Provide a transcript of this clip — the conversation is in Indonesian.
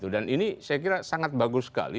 dan ini saya kira sangat bagus sekali